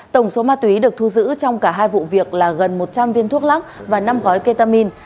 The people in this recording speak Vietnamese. tổng số ma túy được thu giữ trong cả hai vụ việc là gần một trăm linh viên thuốc lắc và năm gói ketamin